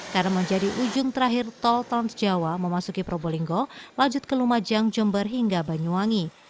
karena menjadi ujung terakhir tol transjawa memasuki probolinggo lanjut ke lumajang jember hingga banyuwangi